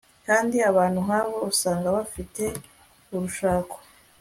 kandi abantu nk'abo usanga bafite urushako